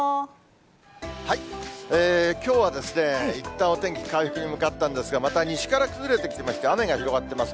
きょうは、いったんお天気回復に向かったんですが、また西から崩れてきまして、雨が広がってます。